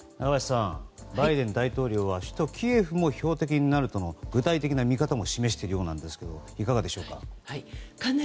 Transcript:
中林さんバイデン大統領は首都キエフも標的にするとの具体的な見方も示しているようですがいかがでしょうか。